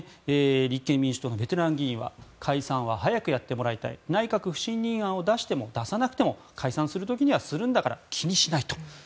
立憲民主党のベテラン議員は解散は早くやってもらいたい内閣不信任案を出しても出さなくても解散する時にはするんだから気にしないと。